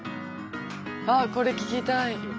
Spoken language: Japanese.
あっこれ聞きたい。